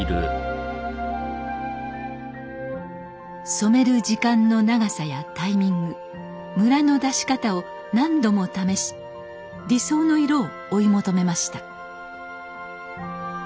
染める時間の長さやタイミングムラの出し方を何度も試し理想の色を追い求めました。